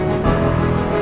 lo balik kemana